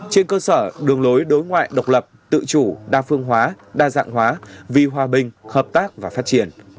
trên cơ sở đường lối đối ngoại độc lập tự chủ đa phương hóa đa dạng hóa vì hòa bình hợp tác và phát triển